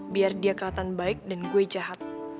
biar dia kelihatan baik dan gue jahat